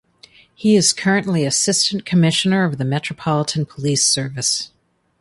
He is currently Assistant Commissioner of the Metropolitan Police Service.